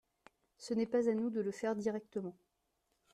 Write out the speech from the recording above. Ce n’est pas à nous de le faire directement.